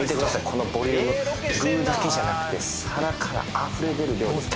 このボリューム具だけじゃなくて皿からあふれ出る量です